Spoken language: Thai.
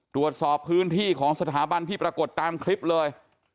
ตรวจสอบพื้นที่ของสถาบันที่ปรากฏตามคลิปเลย